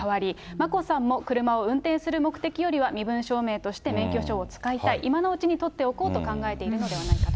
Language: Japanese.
眞子さんも車を運転する目的よりは、身分証明として免許証を使いたい、今のうちに取っておこうと考えているのではないかと。